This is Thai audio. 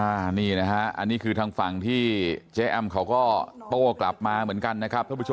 อันนี้คือทางฝั่งที่เจ๊อัมเขาก็โตกลับมาเหมือนกันนะครับ